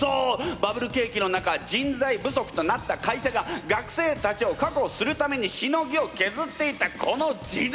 バブル景気の中人材不足となった会社が学生たちをかくほするためにしのぎをけずっていたこの時代！